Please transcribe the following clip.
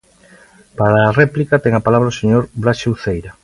Para a réplica, ten a palabra o señor Braxe Uceira.